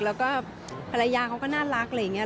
แล้วก็ภรรยาเขาก็น่ารักอะไรอย่างนี้